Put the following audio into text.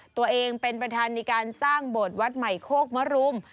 ตัวเองเป็นประธานในการสร้างโบสถ์วัดใหม่โคกมรุม